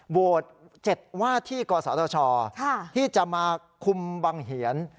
วโวชาติเจ็บว่าที่กสาธุชอธรณบกที่จะมาคุมบังเหียณ